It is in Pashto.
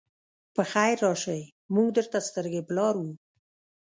پخير راشئ! موږ درته سترګې په لار وو.